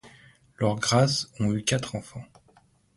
Leurs grâces ont eu quatre enfants.